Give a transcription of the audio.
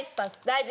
大事。